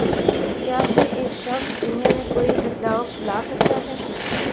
کیا کوئی ایک شخص دنیا میں کوئی بدلاؤ لا سکتا ہے؟